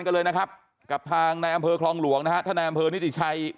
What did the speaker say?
กันเลยนะครับกับทางในอำเภอคลองหลวงนะฮะท่านในอำเภอนิติชัย